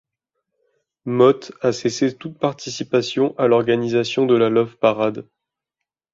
Motte a cessé toute participation à l'organisation de la Love Parade.